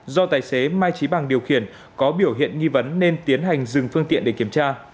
do tài xế mai trí bằng điều khiển có biểu hiện nghi vấn nên tiến hành dừng phương tiện để kiểm tra